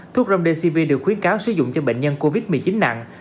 thuốc remdcv được khuyến cáo sử dụng cho bệnh nhân covid một mươi chín nặng